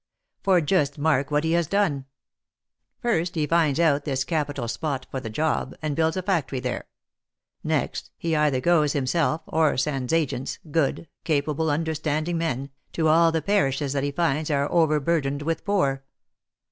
For just mark what he has done. First he finds out this capital spot for the job, and builds a factory there ; next he either goes himself, or sends agents, good, capable, understanding men, to all the parishes that he finds are overburdened with poor.